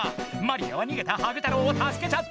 マリアはにげたハグ太郎を助けちゃった！